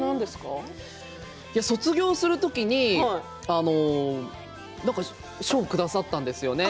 卒業する時に賞をくださったんですよね。